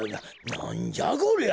なんじゃこりゃ？